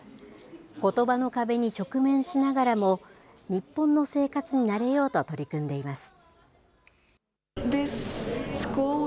ことばの壁に直面しながらも、日本の生活に慣れようと取り組んでいます。